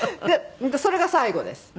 それが最後です。